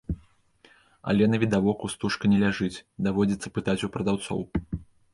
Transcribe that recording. Але навідавоку стужка не ляжыць, даводзіцца пытаць у прадаўцоў.